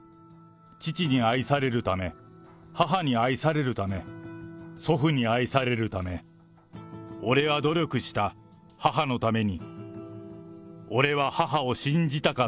父に愛されるため、母に愛されるため、祖父に愛されるため、俺は努力した、母のために。